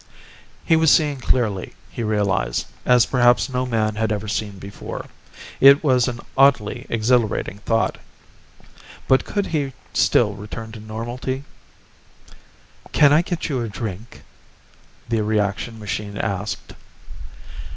He was seeing clearly, he realized, as perhaps no man had ever seen before. It was an oddly exhilarating thought. But could he still return to normality? "Can I get you a drink?" the reaction machine asked.